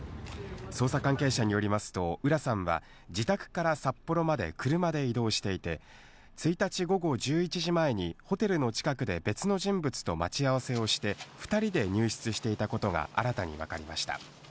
捜査関係者によりますと、浦さんは自宅から札幌まで車で移動していて、１日午後１１時前にホテルの近くで別の人物と待ち合わせをして２人で入室していたことが新たにわかりました。